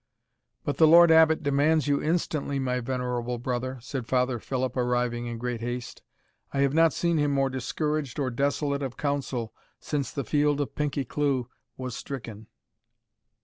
"But the Lord Abbot demands you instantly, my venerable brother," said Father Philip, arriving in great haste. "I have not seen him more discouraged or desolate of counsel since the field of Pinkie cleugh was stricken."